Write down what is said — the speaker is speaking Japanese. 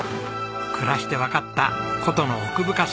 暮らしてわかった古都の奥深さ。